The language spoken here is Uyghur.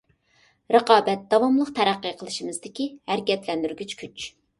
رىقابەت داۋاملىق تەرەققىي قىلىشىمىزدىكى ھەرىكەتلەندۈرگۈچ كۈچ.